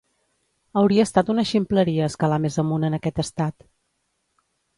Hauria estat una ximpleria escalar més amunt en aquest estat.